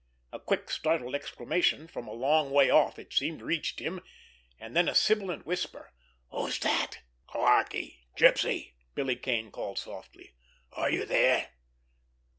A quick, startled exclamation, from a long way off, it seemed, reached him, and then a sibilant whisper: "Who's dat?" "Clarkie—Gypsy!" Billy Kane called softly. "Are you there?"